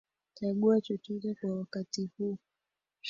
Chagua chochote kwa wakati huu